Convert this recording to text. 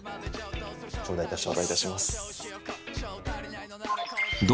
頂戴いたします。